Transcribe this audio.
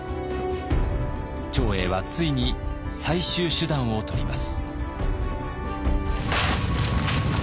長英はついに最終手段をとります。